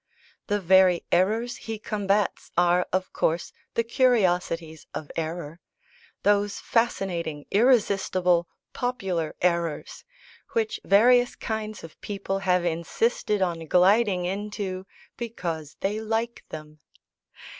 The very errors he combats are, of course, the curiosities of error those fascinating, irresistible, popular, errors, which various kinds of people have insisted on gliding into because they like them.